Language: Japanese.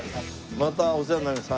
またお世話になります。